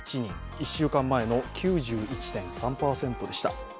１週間前の９１．３％でした。